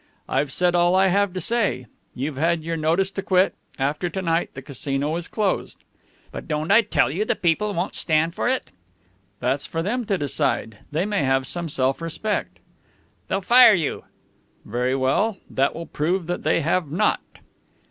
"I've said all I have to say. You've had your notice to quit. After to night the Casino is closed." "But don't I tell you the people won't stand for it?" "That's for them to decide. They may have some self respect." "They'll fire you!" "Very well. That will prove that they have not."